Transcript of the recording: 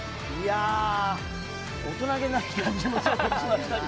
大人げない感じもちょっとしましたが。